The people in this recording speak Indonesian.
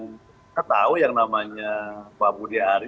kita tahu yang namanya pak budi ari